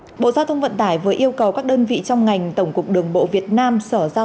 bộ giao thông vận tải vừa yêu cầu các đơn vị trong ngành tổng cục đường bộ việt nam sở giao